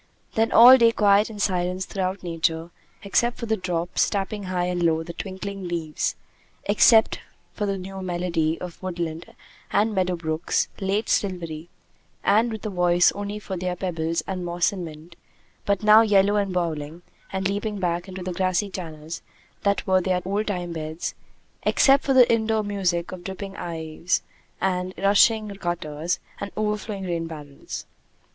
Then all day quiet and silence throughout Nature except for the drops, tapping high and low the twinkling leaves; except for the new melody of woodland and meadow brooks, late silvery and with a voice only for their pebbles and moss and mint, but now yellow and brawling and leaping back into the grassy channels that were their old time beds; except for the indoor music of dripping eaves and rushing gutters and overflowing rain barrels.